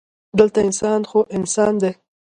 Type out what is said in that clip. دلته انسان خو انسان دی.